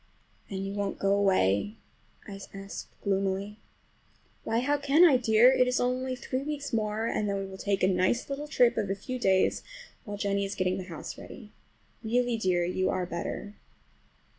"And you won't go away?" I asked gloomily. "Why, how can I, dear? It is only three weeks more and then we will take a nice little trip of a few days while Jennie is getting the house ready. Really, dear, you are better!"